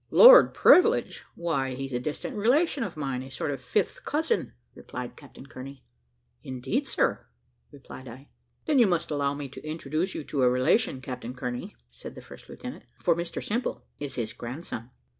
"Lord Privilege! why he's a distant relation of mine, a sort of fifth cousin," replied Captain Kearney. "Indeed, sir," replied I. "Then you must allow me to introduce you to a relation, Captain Kearney," said the first lieutenant; "for Mr Simple is his grandson."